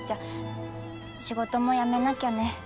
仕事も辞めなきゃね。